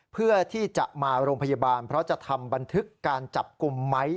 เพื่อที่จะมาโรงพยาบาลเพราะจะทำบันทึกการจับกลุ่มไหม